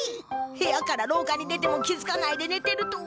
部屋からろうかに出ても気づかないで寝てるとは。